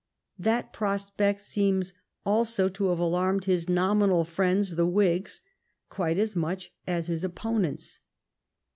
That prospect seems also to have alarmed his nominal friends, the Whigs, quite as much as his opponents.